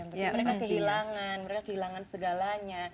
mereka kehilangan mereka kehilangan segalanya